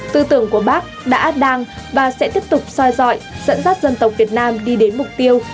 tư tưởng của bác đã át đàng và sẽ tiếp tục soi dọi dẫn dắt dân tộc việt nam đi đến mục tiêu